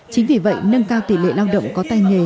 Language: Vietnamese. chính vì vậy nâng cao tỷ lệ lao động có tay nghề